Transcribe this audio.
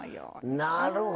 なるほど。